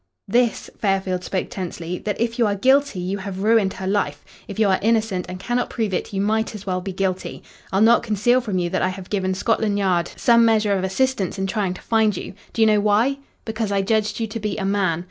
"This," Fairfield spoke tensely, "that if you are guilty you have ruined her life; if you are innocent and cannot prove it you might as well be guilty. I'll not conceal from you that I have given Scotland Yard some measure of assistance in trying to find you. Do you know why? Because I judged you to be a man.